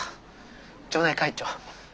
町内会長。